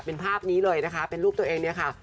เป็นภาพนี้เลยนะคะเป็นรูปตัวเองเนี่ยค่ะ